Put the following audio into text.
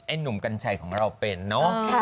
หนุ่มกัญชัยของเราเป็นเนาะ